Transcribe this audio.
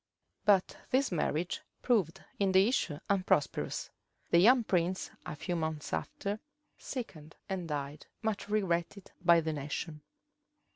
But this marriage proved in the issue unprosperous. The young prince, a few months after, sickened and died, much regretted by the nation.